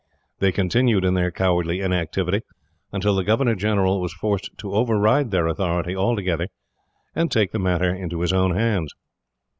They continued in their cowardly inactivity until the governor general was forced to override their authority altogether, and take the matter into his own hands.